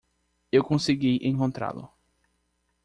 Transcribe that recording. Eu consegui encontrá-lo.